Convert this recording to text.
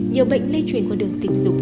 nhiều bệnh lây truyền qua đường tình dục